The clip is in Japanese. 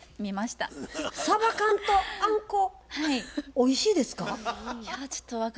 おいしいですか？